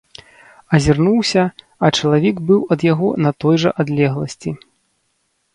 Азірнуўся, а чалавек быў ад яго на той жа адлегласці.